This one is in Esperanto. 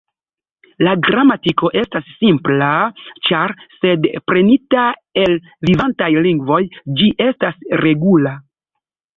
La gramatiko estas simpla, ĉar sed prenita el vivantaj lingvoj, ĝi estas regula.